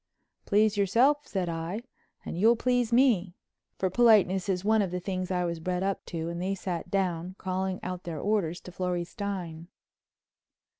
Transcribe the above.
"Please yourself," said I, "and you'll please me," for politeness is one of the things I was bred up to, and they sat down, calling out their orders to Florrie Stein.